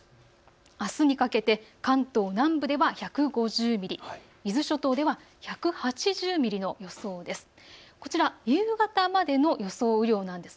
あすにかけて関東南部では１５０ミリ、伊豆諸島では１８０ミリの予想です。